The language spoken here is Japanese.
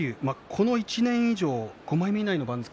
この１年以上、５枚目以内の番付